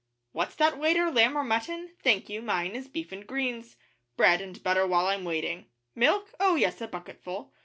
(What's that, waiter? lamb or mutton! Thank you mine is beef and greens. Bread and butter while I'm waiting. Milk? Oh, yes a bucketful.)